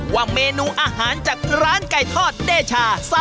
ว่าเมนูอาหารจากร้านไก่ทอดเดชา